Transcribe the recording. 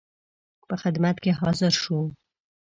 په خدمت کې حاضر شو.